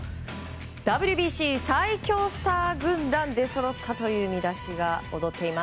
ＷＢＣ最強スター軍団出そろった、という見出しが躍っています。